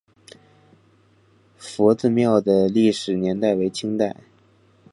佛子庙的历史年代为清代。